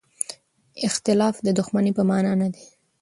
اختلاف د دښمنۍ په مانا نه دی.